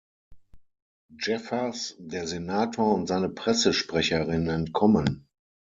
Jeffers, der Senator und seine Pressesprecherin entkommen.